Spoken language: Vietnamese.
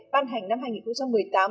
ban hành năm hai nghìn một mươi tám